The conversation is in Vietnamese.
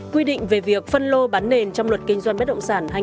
quy định về việc phân lô bán nền trong luật kinh doanh bất động sản hai nghìn hai mươi ba